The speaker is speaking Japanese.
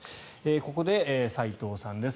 ここで齋藤さんです。